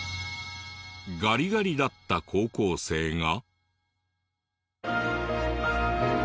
ガリガリだった高校生が。